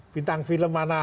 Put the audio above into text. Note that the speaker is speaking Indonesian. bintang film mana